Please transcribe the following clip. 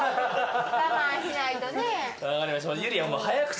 我慢しないとねえ。